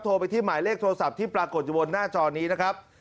โทรไปที่หมายเลขโทรศัพท์ที่ปรากฏอยู่บนหน้าจอนี้นะครับ